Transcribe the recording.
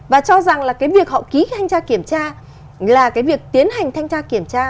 và cho rằng là cái việc họ ký thanh tra kiểm tra là cái việc tiến hành thanh tra kiểm tra